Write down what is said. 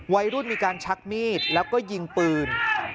วัยรุ่นมีการชักมีดแล้วก็ยิงปืน